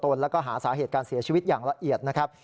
แล้วก็หาสาเหตุการเสียชีวิตอย่างละเอียดนะครับ